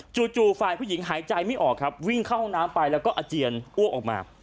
จู่ฝ่ายผู้หญิงหายใจไม่ออกครับวิ่งเข้าห้องน้ำไปแล้วก็อาเจียนอ้วกออกมา